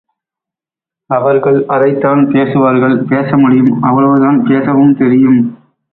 அவர்கள் அதைத் தான் பேசுவார்கள், பேச முடியும், அவ்வளவுதான் பேசவும் தெரியும்.